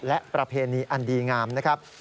และประเพณีอันดีงามนะครับ